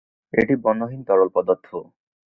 এটি বর্ণহীন তরল পদার্থ।